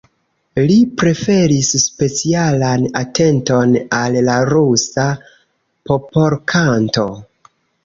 Li preferis specialan atenton al la rusa popolkanto.